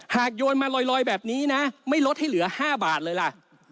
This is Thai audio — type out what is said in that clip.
โยนมาลอยแบบนี้นะไม่ลดให้เหลือ๕บาทเลยล่ะ